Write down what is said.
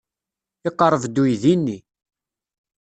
Iqerreb-d uydi-nni.